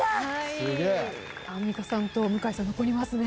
アンミカさんと向井さん残りますね。